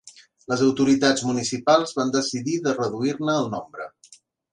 Les autoritats municipals van decidir de reduir-ne el nombre.